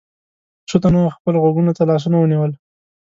څو تنو خپلو غوږونو ته لاسونه ونيول.